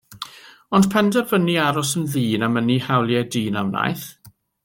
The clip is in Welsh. Ond penderfynu aros yn ddyn, a mynnu hawliau dyn, a wnaeth.